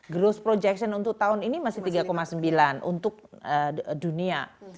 growth projection untuk tahun ini masih tiga sembilan untuk dunia